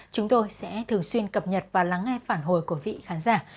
chúng tôi sẽ thường xuyên cập nhật và lắng nghe phản hồi của vị khán giả